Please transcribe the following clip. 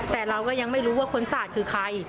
แต่เราก็ยังไม่รู้ว่าคนสาดคือใคร